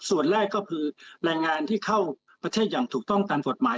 ส่วนแรกก็คือแรงงานที่เข้าประเทศอย่างถูกต้องตามกฎหมาย